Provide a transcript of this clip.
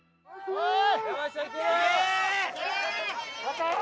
おい！